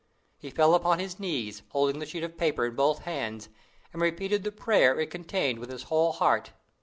He fell upon his knees, holding the sheet of paper in both hands, and repeated the prayer it contained with his whole heart.